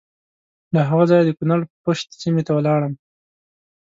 له هغه ځایه د کنړ پَشَت سیمې ته ولاړم.